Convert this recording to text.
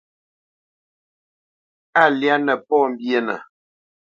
A lyá nə pɔ̌ mbyénə.